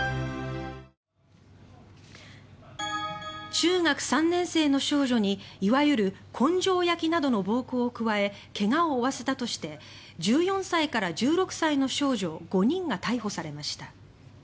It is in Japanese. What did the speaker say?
中学３年生の少女にいわゆる根性焼きなどの暴行を加え怪我を負わせたとして１４歳から１６歳の少女５人が逮捕されました。